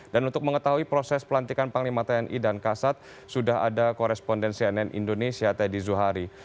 dan untuk mengetahui proses pelantikan panglima tni dan kasat sudah ada korespondensi ann indonesia teddy zuhari